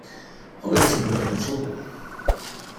Oh, it isn’t wicked at all.